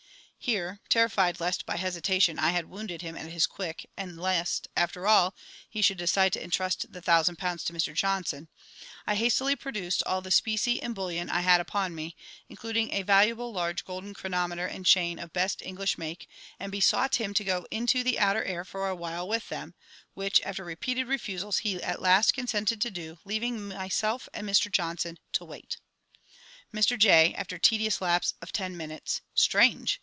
[_Here, terrified lest by hesitation I had wounded him at his quick, and lest, after all, he should decide to entrust the thousand pounds to ~Mr JOHNSON~, I hastily produced all the specie and bullion I had upon me, including a valuable large golden chronometer and chain of best English make, and besought him to go into the outer air for a while with them, which, after repeated refusals, he at last consented to do, leaving ~Myself~ and ~Mr JOHNSON~ to wait._ Mr J. (after tedious lapse of ten minutes). Strange!